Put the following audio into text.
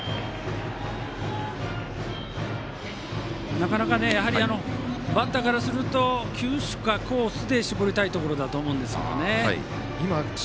なかなかやはり、バッターからすると球種か、コースで絞りたいところなんですね。